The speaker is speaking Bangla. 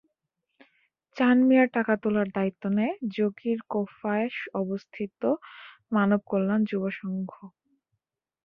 চান মিয়ার টাকা তোলার দায়িত্ব নেয় যোগীর কোফায় অবস্থিত মানব কল্যাণ যুব সংঘ।